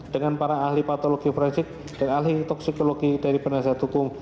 dengan para ahli patologi forensik dan ahli toksikologi dari penasihat hukum